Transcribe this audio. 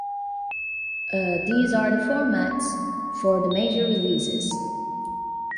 These are the formats for the major releases.